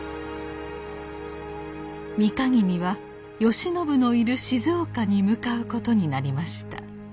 美賀君は慶喜のいる静岡に向かうことになりました。